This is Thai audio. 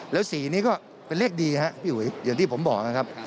และ๔นี่ก็เป็นเลขดีครับอย่างที่ผมบอกนะครับ